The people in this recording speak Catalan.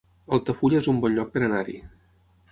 Altafulla es un bon lloc per anar-hi